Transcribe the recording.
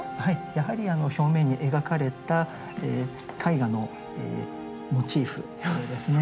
やはり表面に描かれた絵画のモチーフですね。